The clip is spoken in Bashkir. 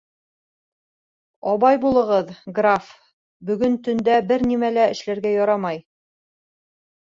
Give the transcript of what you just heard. — Абай булығыҙ, граф, бөгөн төндә бер нимә лә эшләргә ярамай.